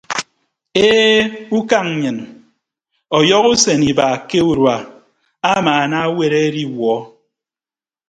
E ukañ nnyịn ọyọhọ usen iba ke urua amaana aweere adiwuọ.